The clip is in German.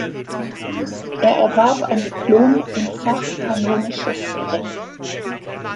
Er erwarb ein Diplom im Fach Kanonisches Recht.